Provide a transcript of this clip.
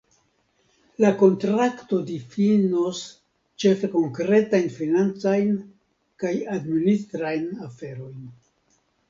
La kontrakto difinos ĉefe konkretajn financajn kaj administrajn aferojn.